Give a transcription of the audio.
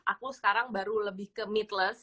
aku sekarang baru lebih ke mitless